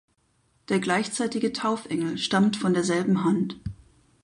Der gleichzeitige Taufengel stammt von derselben Hand.